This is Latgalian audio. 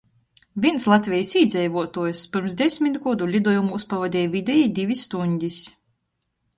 Vīns Latvejis īdzeivuotuojs pyrms desmit godu liduojumūs pavadeja videji div stuņdis.